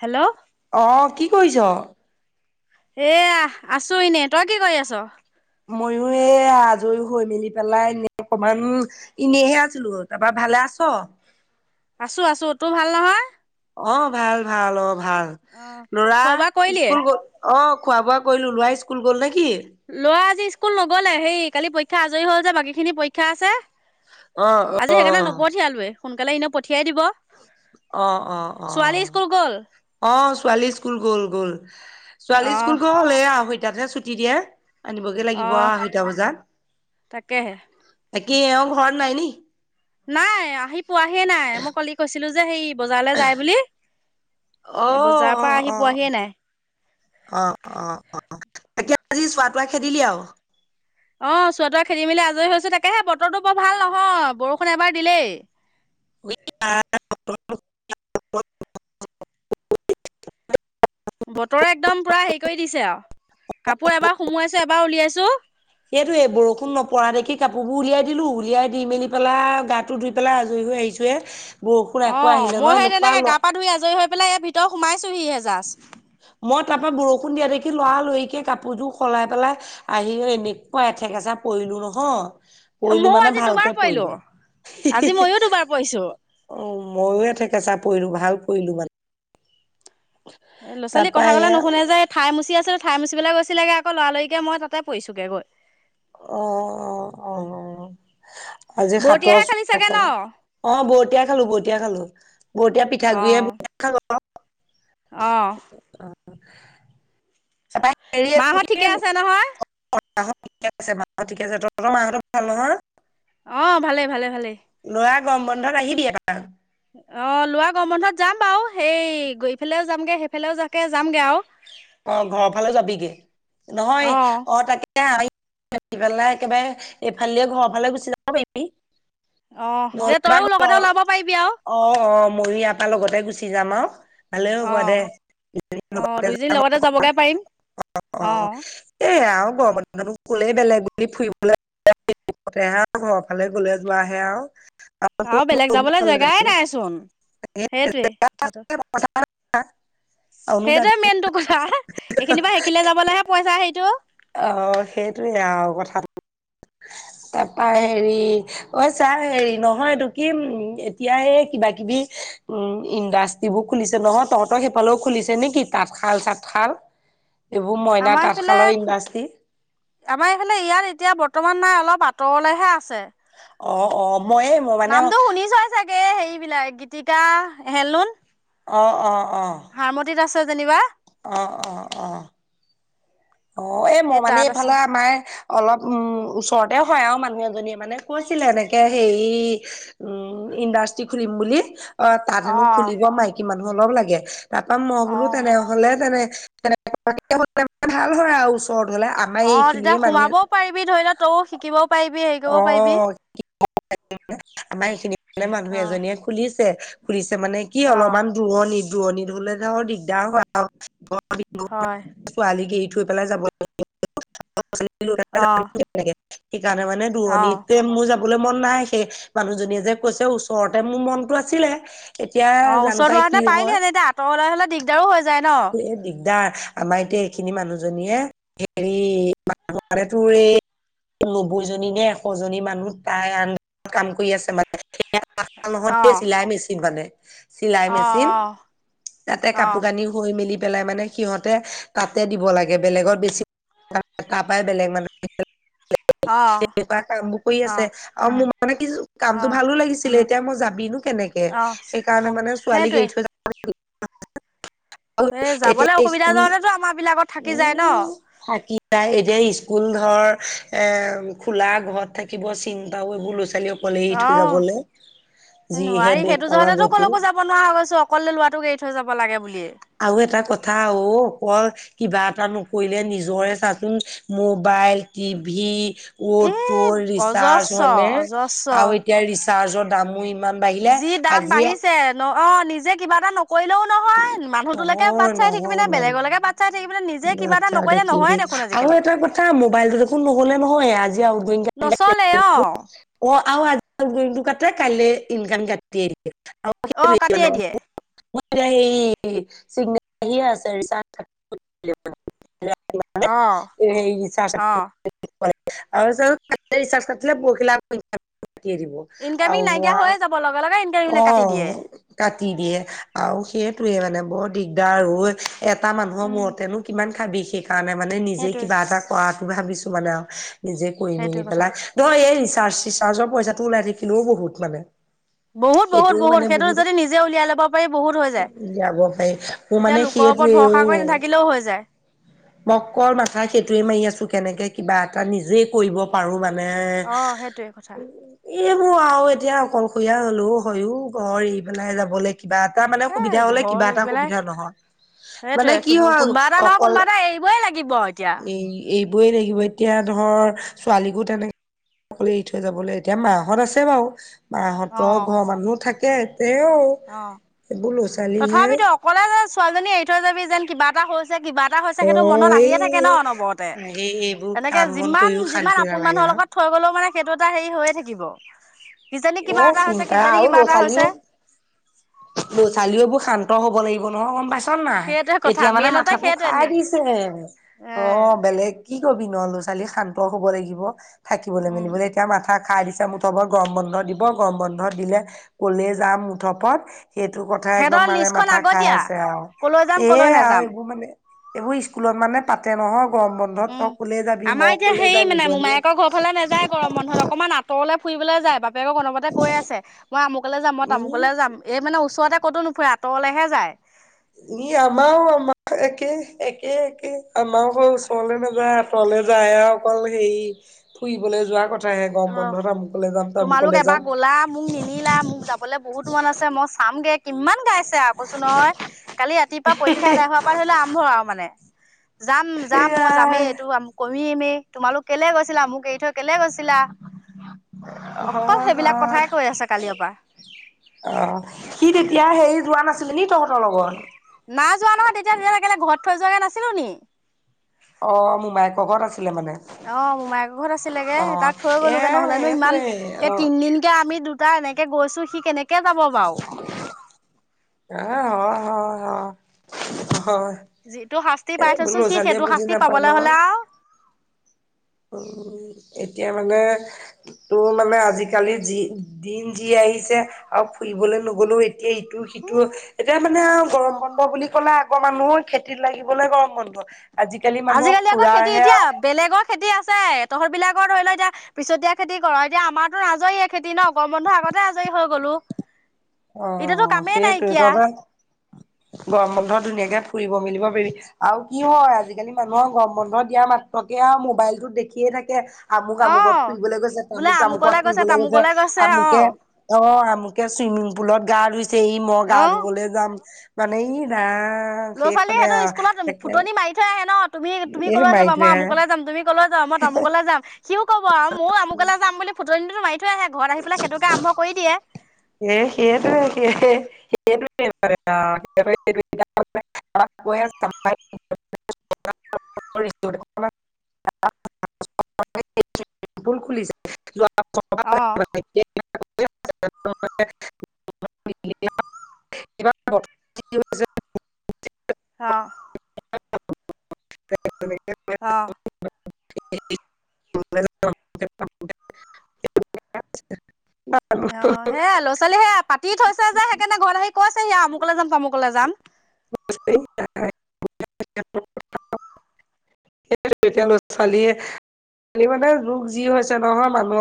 Hello আহ কি কৰিছ? [unintelligible] এয়া আছো এনে তই কি কৰি আছ? [unintelligible] ময়ো এ আজৰি হৈ মেলি পেলাই এনে অকমান এনেহে আছিলো তাৰপা [unintelligible] ভালে আছ আছো আছো তোৰ ভাল নহয় অ ভাল ভাল অ ভাল অ লৰা খোৱা বোৱা কৰিলিয়ে স্কুল গল অ খোৱা বোৱা কৰিলোঁ লৰা স্কুল গ'ল নে? লৰা আজি স্কুল নগলে সেই কালি পৰীক্ষা আজৰি হল যে বাকী খিনি পৰীক্ষা আছে। অ অ আজি অ সেইকাৰণে নপঠিয়ালোৱে সোনকালে এনেও পঠিয়াই দিব অ অ অ। ছোৱালী স্কুল গ'ল অ ছোৱালী স্কুল গ'ল গ'ল ছোৱালী স্কুল অহ গ'ল এয়া আ তাতহে ছুটি দিয়ে আনিবগে লাগিব অহ আঢৈটা বজাত তাকেহে কি এও ঘৰত নাই নি নাই আহি পোৱাহি নাই মই কলি কৈছিলো যে সেই বজাৰলৈ যায় বুলি অ বজাৰৰ অ পৰা আহি পোৱাহিয়েই নাই অ অ অ এতিয়া আজি চোৱা তোৱা খেদিলি আৰু অ চোৱাটোৰা খেদি মেলি আজৰি হৈছো তাকেহে বতৰটো বৰ ভাল নহয় বৰষুণ এবাৰ দিলেই [unintelligible] [inaudible] বতৰে একদম পুৰা হেৰি কৰি দিছে আৰু কাপোৰ এবাৰ সুমোৱাইছো এবাৰ উলিয়াইছো সেইতটো এই বৰষুণ নপৰা দেখি কাপোৰ বোৰ উলিয়াই দিলো উলিয়াই দি মেলি পেলাই গাটো ধুই পেলাই আজৰি লৈ আহিছোঁ হে অ মই সেই তেনেকে গা পা ধুই আজৰি হৈ পেলাই ইয়াত ভিতৰত সোমাইছোহিহে জাস্ত মই তাৰ পৰা বৰষুণ দিয়া দেখি লৰা লৰিকে কাপোৰযোৰ সলাই পেলাই আহি এনেকুৱা ঠেকাচা পৰিলো নহয়। পৰিলো ময়ো মানে আজি দুবাৰ ভালকে পৰিলো, আজি ময়ো দুবাৰ পৰিছো। পৰিলো। মইয়ো থেকেচা পৰিলো ভাল পৰিলো মানে। এ ল'ৰা ছোৱালী তাৰপা কথা ক'লে এয়া নুশুনে যে ঠাই মুচি আছিল ঠাই মুচি পেলাই গৈছিগে আকৌ লৰালৰিকে মই তাতে পৰিছোঁগে গৈ অ অ অ। আজি সাতৰ বৰতীয়াহে চ খালি চাগে ন? অ বতীয়া খালো বতিয়া খালো। বৰতীয়া অ', পিঠাগুৰিয়ে অ ত হেৰি কি মাঁৰ মাহঁত ঠিকে আছে নহয়? ঠিক আছে তহতৰ মাঁহতৰ ভাল নহয়। অ ভালে ভালে ভালে ল'ৰা গৰম বন্ধত আহিবি এবাৰ অ লোৱা গৰম বন্ধত যাম বাৰু সেই গৈ ফালেও যামগে সেইফালেও যাকে যামগে আৰু অ ঘৰৰ ফালেও যাবিগে নহয় অ তাকে একেবাৰে এফালে ঘৰ ফালেদি গুচি যাব পাৰিবি অ যে তইও লগতে ওলাব পাৰিবি আৰু অ ময়ো ইয়াৰ পা লগতে গুচি যাম আৰু ভালে হ'ব অ'। দে অ দুইজনী যাম লগতে যাবগে পাৰিম অ এই আৰু গৰম বন্ধ কলে বেলেগ বুলি ফুৰিবলৈ তেহে আৰু [unintelligible] ঘৰ ফালে গলে যোৱাহে আৰু আৰু ক'ত বেলেগ দূৰ যাবলৈ ফালে জেগাই যাবি। নাইচোন সেইটোৱেই কথাটো অনুজা [unintelligible] সেইটোৱে মেইনটো কথা এইখিনি পা সেইখিলে যাবলৈহে পইচা সেইটো অ সেইটোৱে আৰু কথা [inaudible] তাপা হেৰি অ চাহ হেৰি নহয়টো কি উম এতিয়া এই কিবা কিবি উম ইণ্ডাষ্ট্ৰ্ৰীবোৰ খুলিছে নহয় তহঁতৰ সেইফালেও খুলিছে নে কি তাঁত খাল চাত খাল। আমাৰ এইফালে খু আমাৰ এইফালে ইয়াত এতিয়া বৰ্তমান নাই। অলপ আঁতৰলেহে আছে। অ অ ময়ে মই মানে অ নামটো শুনিছই চাগে হেৰিবিলাক গীতিকা হেনলোম। অ অ অ। যেনিবা অ অ অ অ এই মোৰ সেই মানে তাত আছে এইফালে আমাৰ অলপ উম ওচৰতে হয় আৰু মানুহ এজনীয়ে মানে কৈছিলে এনেকে হেৰি উম ইণ্ডাষ্ট্ৰি খুলিম বুলি অ তাত অ হেনো খুলিব মাইকী মানুহ অলপ লাগে তাৰ পৰা মই অ বোলো তেনেহলে তেনে। তেনে ভাল হয় আৰু। ওচৰত হলে আমাৰ অ তেতিয়া এইখিনিয়ে মানুহে সোমাবও পাৰিবি ধৰি লও তই শিকিবও পাৰিবি হেৰি অ কৰিব পাৰিবি। আমাৰ এইখিনি মানে মানুহ অ এজনীয়ে খুলিছে খুলিছে মানে কি অ অলপমান দূৰনি দূৰণি ধলে ধ দিগদাৰ হয় আৰু বি হয় ছোৱালী কেই [unintelligible] থ পেলাই যাব ল সকাৰণে [unintelligible] [unintelligible] অ অ ৰহণী তে মই যাব। [unintelligible] কৰিবলৈ মন নাই সেই মানুহজনীয়ে যে কৈছে ওচৰতে মোৰ মনটো আছিলে। এতিয়া অ জানো ওচৰত হোৱা পাই হেঁতেন কি হয় পাৰিলিহেঁতেন এতিয়া আঁতৰলৈ হ'লে দিগদাৰো হৈ যায় ন অ এই দিগদাৰ। আমাৰ এতিয়া এইখিনি মানুহজনীয়ে হেৰি ম [unintelligible] নব্বৈ জনী নে এশ জনী মানুহ তাই আন্দাৰত কাম কৰি আছে মানে নহ দ [unintelligible] চিলাই মেচিন মানে। চিলাই অ মেচিন তাতে কাপোৰ অ কানি হৈ মেলি। পেলাই মানে সিহঁতে তাতে দিব লাগে বেলেগত বেছি তাৰপৰা বেলেগ মানুহে। অ সনেকুৱা কাম বোৰ কৰি অ আছে আৰু মোৰ মানে কি অ কামটো ভালো লাগিছিলে। এতিয়া মই যাবি নো কেনেকে অ সেইকাৰণে মানে ছোৱালী সেইটোৱে এৰি থৈ যাব। আৰু এই যাবলৈ এতিয়া অসুবিধা স্কুল জহতেতো আমাৰ বিলাকত থাকি যায় ন উ অ থাকিব এতিয়া স্কুল ধৰ এ খোলা ঘৰত থাকিব চিন্তা সৰু ল'ৰা ছোৱালী অকলে এৰি অ থৈ যাবলৈ যিহে নোৱাৰি দেশ সেইটো জহতে কালৰ তো গতি কলেকো যাব নোৱাৰা হৈছো অকলে লোৱাটো এৰি থৈ যাব লাগে বুলিয়ে আৰু এটা কথা অ ওপৰ কিবা এটা নকৰিলে নিজৰে চাচোন মোবাইল টিভি। এ টো ৰিচাৰ্জ অজস্ৰ মনেে অজস্ৰ আৰু এতিয়া ৰিচাৰ্জৰ দামো ইমান বাঢ়িলে যি দাম আজি বাঢ়িছে ন অ নিজে কিবা এটা নক কৰিলেও নহয় মানুহটোলৈকে বাট নহয় চাই নহয় থাকিমনে মানে বেলেগৰলৈকে বাট চাই থাকি পিনে নিজে কিবা এটা বাচ্ছাহঁতে নকৰিলে কি নহয় কি দেখ। আৰু এটা কথা মোবাইলটো দেখোন নহলে নহয় আজি নচলে অ জতে কাললে ইনকম কাটি। [unintelligible] অ কাটিয়ে দিয়ে য়া সেই চিগ্নে আছে। [unintelligible] [inaudible] অ এই চাস [unintelligible] চ অ হিচ পিল প [unintelligible] কাটি দিব ইনকামিং আৰু নাইকিয়া ৰ হৈয়ে যাব লগে লগে ইনকামিং অ কাটি দিয়ে কা দি দিয়ে আৰু সেইটোৱে মানে বৰ দিগদাৰ এটা মানুহৰ উম মূৰতেনো কিমান খাবি সেইকাৰণে মানে নিজে সেইটোৱে কিবা এটা কৰাটো ভাবিছো মানে আৰু নিজে কৰি সেইটোৱে মেলি কথা পেলাই নহয় এই ৰিচাৰ্জ চিচাৰ্জৰ পইচাটো ওলাই থাকিলেও বহুত মানে। বহুত বহুত বহুত সেইটো যদি নিজে উলিয়াই ল'ব পাৰি। বহুত হৈ যায় যাব পাৰ মোৰ তেতিয়া মানে সি লোকৰ ওপৰত এইটো ভৰসা কৰি নাথাকিলেও হৈ যায় মকল মাথা সেইটোয়ে মাৰি আছো কেনেকে কিবা এটা নিজে কৰিব পাৰো মান মানে অ সেইটোৱে কথা এইবোৰ আৰু এতিয়া অকলশৰীয়া হলো হয়ো ঘৰ ই পেলাই যাবলে কিবা এটা মানে এ সুবিধা হলে ঘৰ কিবা এৰি এটা পেলাই সুবিধা নহয়। মানে সেইটোৱে কি হয় কোনোবা এটা নহয় অকল কোনোবা এটা এৰিবই লাগিব এতিয়া এই এইবোৰেই লাগিব এতিয়া ত ধৰ ছোৱালীকো তেনেকে অকলে এৰি থৈ যাবলৈ এতিয়া মাহত আছে বাৰু। অ মাহঁতৰ ঘৰৰ মানুহ থাকে তেও অ এইবোৰ ল'ৰা- ছোৱালীহে ছোৱালীজনি এৰি থৈ যাবি যেন কিবা এটা হৈছ কিবা এটা হৈছে অ সেইটো মনত এই আহিয়ে থাকে ন অনৰবতে। আহি এইবোৰ তেনেকে কাম বন যিমান কৰিও যিমান শান্তি আপোন নালাগে মানুহৰ নহয় লগত থৈ গলেও মানে সেইটো এটা হেৰি হৈয়ে থাকিব। কিজানী এ কিবা এটা হৈছে চিন্তা কিজানী আৰু কিবা ল'ৰা এটা হৈছে। ছোৱালীও ল'ৰা -ছোৱালীবোৰ শান্ত হ'ব লাগিব নহয়। পাইছনে নাই, সেইটোৱে কথা এতিয়া মানে মেইনতে মাথাটো সেইটোৱে খাই নি দিছে। এ অ বেলেগ কি কবি নু ল'ৰা- ছোৱালী শান্ত হ'ব লাগিব। থাকিবলৈ উম মেলিবলৈ এতিয়া মাথা খাই দিছে মুঠৰ ওপৰত গৰম বন্ধ দিব গৰম বন্ধ দিলে কলে যাম মুঠৰ ওপৰত সেইটো কথা একদম সিহঁতৰ মানে লিষ্টখন মাথা খাই আগতীয়া আছে আৰু কলৈ যাম এ কলৈ আৰু নাযাম এইবোৰ মানে এইবোৰ স্কুলত মানে পাতে নহওক উম, আমাৰ এতিয়া হেৰি যাই মানে নিজনীয়ে মোমায়েকৰ ঘৰ ফালে নাযায় গৰম বন্ধত অকনমান আঁতৰলে ফুৰিবলৈ যায় বাপেকক অনৰবতে কৈ আছে। মই আমুকলে যাম মই উম তামুকলে যাম এই মানে ওচৰতে ক'তো নুফুৰে আঁতৰলেহে যায়। ই আমাৰো আমাৰ একে একে একে আমাৰো ঘৰ ওচৰলে নাযায় আঁতৰল যায় অকল হেৰি ফুৰিবলৈ যোৱা কথাহে গৰম অ বন্ধত আমুকলে যাম তোমালোক তামুকলে এবাৰ যাম। গলা মোক নিনিলা মোক যাবলৈ বহুত মন আছে মই চামগে। কিমান গাইছে আৰু কৈচোন নহয়। কালি ৰাতিপৰা পৰীক্ষা এদাই হোৱাৰ পৰা ধৰি লোৱা আৰম্ভ আৰু মানে। যাম যাম মই সেয়াই যামেই এইটো কৰিমেই তোমালোক কেলে গৈছিলা মোক এৰি থৈ কেলে গৈছিলা। অকল হয় সেইবিলাক কথাই কৈ আছে কালিয়ৰ পৰা। অঁ সি তেতিয়া সেৰি যোৱা নাছিলে নি তহঁতৰ লগত? না যোৱা নহয় তেতিয়া তেতিয়ালে খেলে ঘৰত থৈ যোৱাকে নাছিলো নি। অঁ মোমায়েকৰ ঘৰত আছে। অ মোমায়েকৰ ঘৰত আছিলেগে। অ তাক থৈ এ গলোগে নহলেনো ইমান সেইটোৱে এই অ তিনদিনকে আমি দু তা এনেকে গৈছো সি কেনেকে যাব বাৰু। অঁ অঁ। হয় যিটো শাস্তি এ পাই এইবোৰ থৈছো ল'ৰা সি -ছোৱালীয়ে সেইটো বুজি শাস্তি নাপায় ন। পাবলৈ হ'লে আৰু উম এতিয়া মানে তোৰ মানে আজিকালি যি দিন যি আহিছে আৰু ফুৰিবলৈ নগলেও এ তিয়া ইটো সিটো এতিয়া মানে আৰু গৰম বন্ধ বুলি কলে আগৰ মানুহ খেতিত লাগিবলৈ গৰম বন্ধ। আজিকালি মানুহৰ আজিকালি আকৌ খেতি ফুৰাহে এতিয়া বেলেগৰ খেতি আ ছে, তহঁত বিলাকৰ ধৰি লও এতিয়া পিছতীয়া খেতি কৰ। এতিয়া আমাৰতো আজৰিয়ে খেতি ন গৰম বন্ধুৰ আগতে আজৰি হৈ গলো। এতিয়াতো অ', কামেই সেইটোৱে নাইকিয়া। তহঁতৰ গৰম বন্ধ ধুনীয়াকে ফুৰিব মেলিব পাৰিবি আৰু কি হয় আজিকালি মানুহক গৰম বন্ধ দিয়া মাত্ৰকে- এয়া মোবাইলটোত দেখিয়ে থাকে- আমুক অ আমুকত ফুৰিবলৈ গৈছে বোলে তামুক আমুকলে তামুকত ফুৰিবলৈ তামুকলে গৈছে অ আমুকে অ আ মুকে চুইমিং পুলত গা ধুইছে সি। এই মই গা অ ধুবলৈ যাম মানে ই ৰাম। ল'ৰা ছোৱালীয়ে সেইখনে আও সেইটো স্কুলত তাকে ফুটনি মাৰি থৈ আহে ন। তুমি তুমি এই কলৈ মাৰি যাবা মই ধৰে আও আমুকলে যাম তুমি কলৈ যাবা মই তামুকলৈ যাম সিও ক'ব মইও আমুকলৈ যাম বুলি ফুটনিটো মাৰি থৈ আহে ঘৰত আহি পেলাই সেইটোকে আৰম্ভ দিয়ে। সেই সেইটো সেই সেইটোৱেই মানে আও [unintelligible] [unintelligible] [unintelligible] [unintelligible] খুলি অ [unintelligible] [unintelligible] [unintelligible] অহ অ [unintelligible] [unintelligible] অ সেয়া ল'ৰা ছোৱালী সেয়া পাতি থৈছে যে সেইকাৰণে ঘৰত আহি কৈ ছে সি আ আমুকলে যাম তামুকলে যাম [unintelligible] সেই এতিয়া ল ছোৱালীয়ে ছোৱালী মানে যোগ যি হৈছে নহয় মানুহ